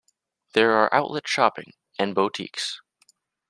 There are outlet shopping and boutiques.